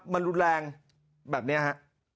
มันรุนแรงแบบนี้ฮะ